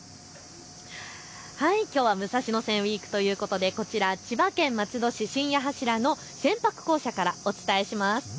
きょうは武蔵野線ウイークということでこちら千葉県松戸市新八柱のせんぱく工舎からお伝えします。